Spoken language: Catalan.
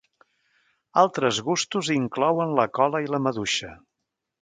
Altres gustos inclouen la cola i la maduixa.